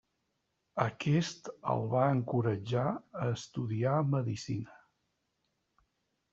Aquest el va encoratjar a estudiar medicina.